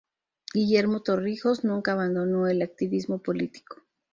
Guillermo Torrijos nunca abandonó el activismo político.